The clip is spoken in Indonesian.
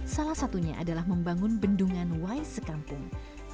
salah satunya adalah membangun bendungan wais sekampung